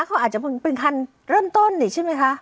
เขาอาจจะเป็นคันเริ่มต้นนี่ใช่ไหมคะ